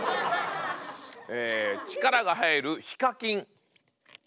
力が入るＨＩＫＡＫＩＮ。